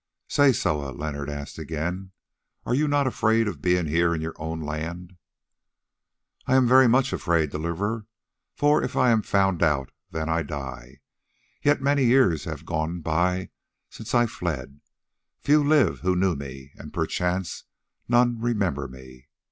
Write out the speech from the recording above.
"Say, Soa," Leonard asked again, "are you not afraid of being here in your own land?" "I am much afraid, Deliverer, for if I am found out then I die. Yet many years have gone by since I fled; few live who knew me, and, perchance, none remember me.